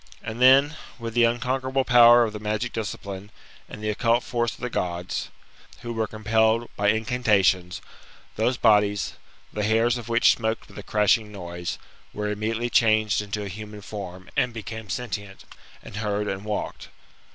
And then, with the unconquerable power of the magic discipline, and the occult force of the Gods, who were compelled by incantations, those bodies, the hairs of which smoked with a crashing noise, were immediately changed into a human form, and became sentient, and heard and walked.